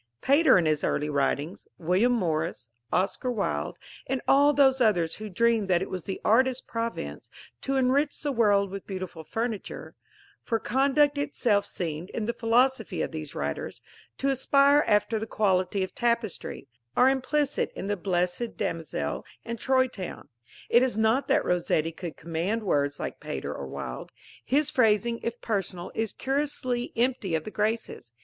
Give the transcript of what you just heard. Pater in his early writings, William Morris, Oscar Wilde, and all those others who dreamed that it was the artist's province to enrich the world with beautiful furniture for conduct itself seemed, in the philosophy of these writers, to aspire after the quality of tapestry are implicit in The Blessed Damozel and Troy Town. It is not that Rossetti could command words like Pater or Wilde. His phrasing, if personal, is curiously empty of the graces.